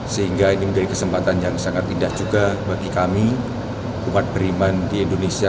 sehingga ini menjadi kesempatan yang sangat indah juga bagi kami umat beriman di indonesia